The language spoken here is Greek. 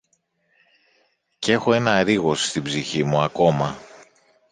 κ’ έχω ένα ρίγος στην ψυχή μου ακόμα